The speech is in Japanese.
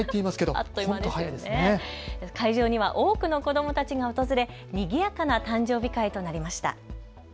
会場には多くの子どもたちが訪れにぎやかな誕生日会となりました。